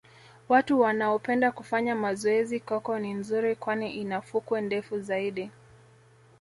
watu wanaopenda kufanya mazoezi coco ni nzuri kwani ina fukwe ndefu zaidi